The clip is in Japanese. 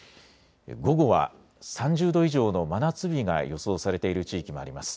午後は３０度以上の真夏日が予想されている地域もあります。